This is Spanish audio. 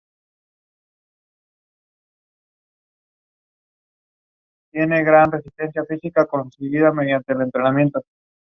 Academy" en Marin City.